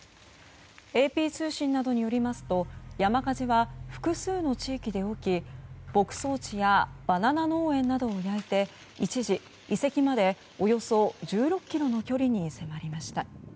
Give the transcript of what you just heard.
ＡＰ通信などによりますと山火事は複数の地域で起き牧草地やバナナ農園などを焼いて一時、遺跡までおよそ１６ｋｍの距離に迫りました。